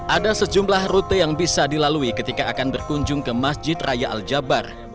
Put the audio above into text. ada sejumlah rute yang bisa dilalui ketika akan berkunjung ke masjid raya al jabar